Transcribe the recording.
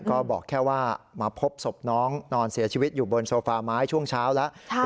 ก็บอกแค่ว่ามาพบศพน้องนอนเสียชีวิตอยู่บนโซฟาไม้ช่วงเช้าแล้ว